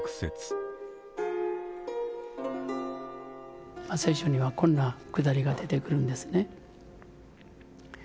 聖書にはこんなくだりが出てくるんですね。